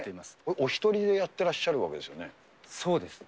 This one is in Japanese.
お１人でやってらっしゃるわそうです。